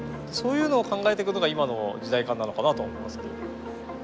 そういうのを考えていくのが今の時代感なのかなと思いますけど。